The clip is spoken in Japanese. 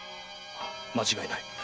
ああ間違いない。